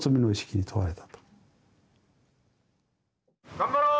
頑張ろう！